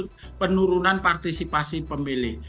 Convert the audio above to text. yang terjadi adalah penurunan partisipasi pemilih